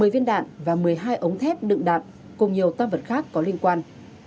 một mươi viên đạn và một mươi hai ống thép đựng đạn cùng nhiều tam vật khác có liên quan